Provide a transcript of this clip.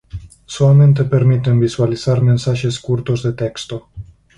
Soamente permiten visualizar mensaxes curtos de texto.